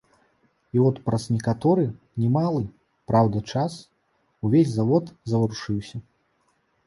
І от праз некаторы, немалы, праўда, час увесь завод заварушыўся.